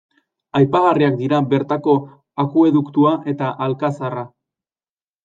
Aipagarriak dira bertako Akueduktua eta Alkazarra.